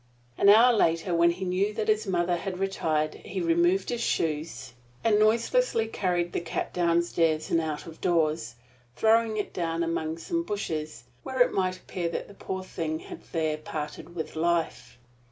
An hour later, when he knew that his mother had retired, he removed his shoes, and noiselessly carried the dead cat downstairs and out of doors, throwing it down among some bushes, where it might appear that the poor thing had there parted with life.